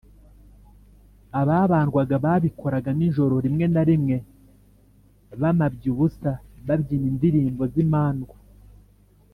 Ababandwaga babikoraga n’injoro rimwe na rimwe ,bamabye ubusa babyina indirimbo z’imandwa.